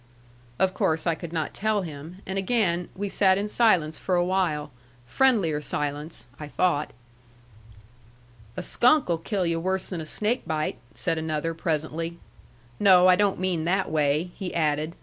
Of course I could not tell him. And again we sat in silence for a while friendlier silence, I thought. "A skunk'll kill yu' worse than a snake bite," said another, presently. "No, I don't mean that way," he added.